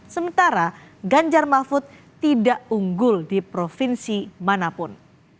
sementara ganjar mahfud tidak unggul di provinsi manapun